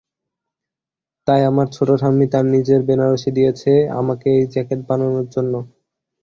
তাই আমার ছোট ঠাম্মি তার নিজের বেনারসি দিয়েছে আমাকে এই জ্যাকেট বানানোর জন্য।